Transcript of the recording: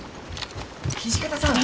土方さん！